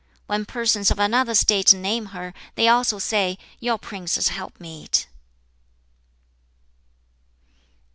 When persons of another State name her they say also "Your prince's helpmeet."